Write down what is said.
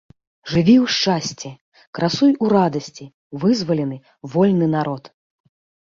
Жыві ў шчасці, красуй у радасці, вызвалены, вольны народ!